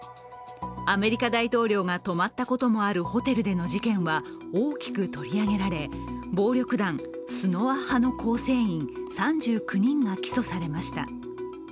アメリカ大統領が泊まったこともあるホテルでの事件は大きく取り上げられ、暴力団スノア派の構成員３９人が起訴されました。